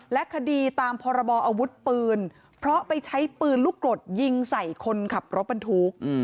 และคดีตามพรบออาวุธปืนเพราะไปใช้ปืนลูกกรดยิงใส่คนขับรถบรรทุก